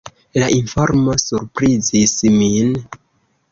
La informo surprizis min.